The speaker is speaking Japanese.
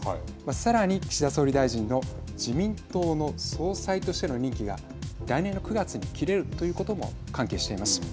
さらに岸田総理大臣の自民党の総裁としての任期が来年の９月に切れるということも関係しています。